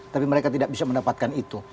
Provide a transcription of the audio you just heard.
tapi mereka tidak bisa mendapatkan itu